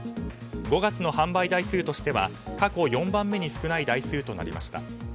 ５月の販売台数としては過去４番目に少ない台数となりました。